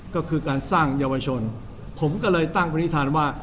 ก็คือการสร้างเยาวชนผมก็เลยตั้งปณิธานว่า